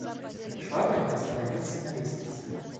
Швабрин остановился на лестнице.